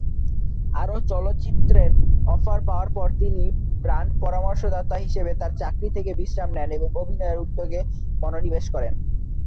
আরো চলচ্চিত্রের অফার পাওয়ার পর, তিনি ব্র্যান্ড পরামর্শদাতা হিসাবে তার চাকরি থেকে বিশ্রাম নেন এবং অভিনয়ের উদ্যোগে মনোনিবেশ করেন।